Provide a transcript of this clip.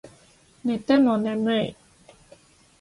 寝ても眠い